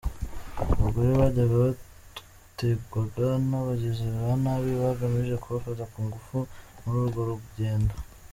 Abagore bajyaga bategwaga n’abagizi ba nabi bagamije kubafata ku ngufu muri urwo rugendo.